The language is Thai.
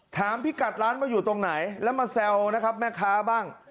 พี่กัดร้านว่าอยู่ตรงไหนแล้วมาแซวนะครับแม่ค้าบ้าง